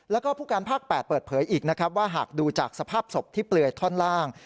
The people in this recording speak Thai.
แล้วก็ผู้การภาค๘เปิดเผยอีกนะครับว่าหากดูจากสภาพศพที่เปลือยท่อนล่าง